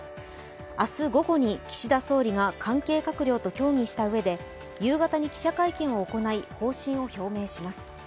明日午後に岸田総理が関係閣僚と協議したうえで夕方に記者会見を行い方針を表明します。